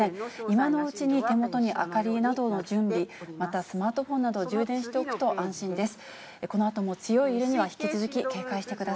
今のうちに手元に明かりなどの準備、またスマートフォンなどを充電しておくと安心です。